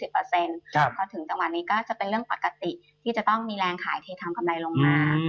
พอถึงจังหวะนี้ก็จะเป็นเรื่องปกติที่จะต้องมีแรงขายเททำกำไรลงมา